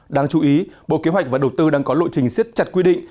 đáng chú ý bộ kế hoạch và đầu tư đang có lộ trình siết chặt quy định